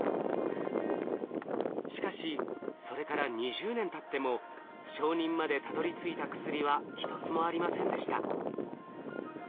しかしそれから２０年たっても承認までたどりついた薬は一つもありませんでした。